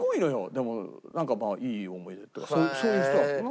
でもなんかまあいい思い出っていうかそういう人だったな。